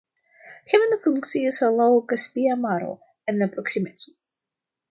Haveno funkcias laŭ Kaspia Maro en la proksimeco.